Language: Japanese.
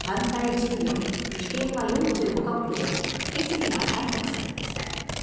１４、棄権は４５か国で決議は採択されました。